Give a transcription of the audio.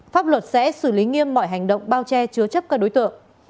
pháp luật sẽ xử lý nghiêm mọi hành động bao che chứa chấp các đối tượng